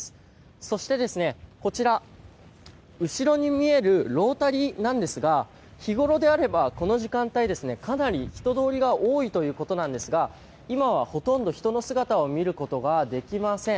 そして、後ろに見えるロータリーなんですが日ごろであればこの時間帯かなり人通りが多いということですが今はほとんど人の姿を見ることができません。